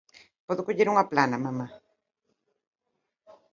Podo coller unha plana, Mamá?